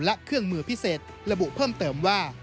และเครื่องมือพิเศษระบุเพิ่มเติมว่า